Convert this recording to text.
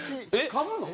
かむの？